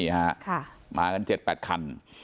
มากัน๗๘คัน